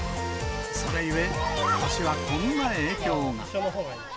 それゆえ、ことしはこんな影響が。